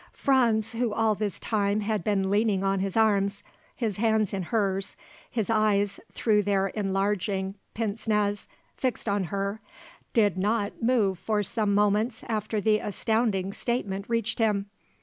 Franz, who all this time had been leaning on his arms, his hands in hers, his eyes, through their enlarging pince nez, fixed on her, did not move for some moments after the astounding statement reached him.